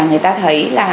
người ta thấy là